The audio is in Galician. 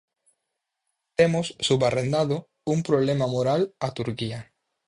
Temos subarrendado un problema moral a Turquía.